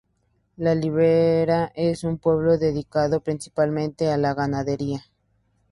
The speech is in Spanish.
La Ribera es un pueblo dedicado principalmente a la ganadería.